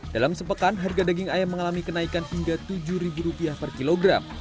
dalam sepekan harga daging ayam mengalami kenaikan hingga rp tujuh per kilogram